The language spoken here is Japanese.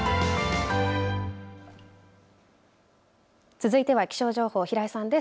続いては気象情報、平井さんです。